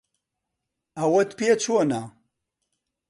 ئەوەت پێ چۆنە؟